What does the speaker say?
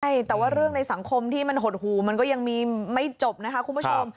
ใช่แต่ว่าเรื่องในสังคมที่มันหดหูมันก็ยังมีไม่จบนะคะคุณผู้ชม